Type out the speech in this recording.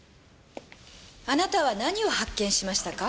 あなたは何を発見しましたか？